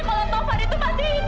kalau taufan itu masih hidup